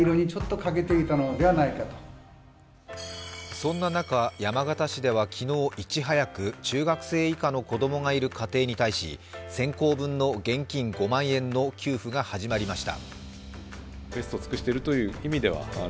そんな中、山形市では昨日、いち早く中学生以下の子供がいる家庭に対し先行分の現金５万円の給付が始まりました。